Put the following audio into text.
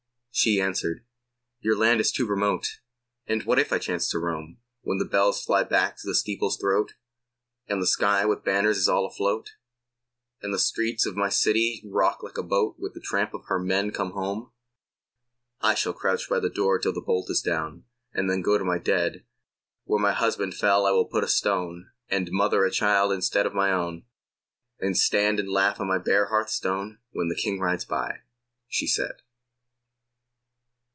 She answered: Your land is too remote, And what if I chanced to roam When the bells fly back to the steeples' throat, And the sky with banners is all afloat, And the streets of my city rock like a boat With the tramp of her men come home? I shall crouch by the door till the bolt is down, And then go in to my dead. Where my husband fell I will put a stone, And mother a child instead of my own, And stand and laugh on my bare hearth stone When the King rides by, she said.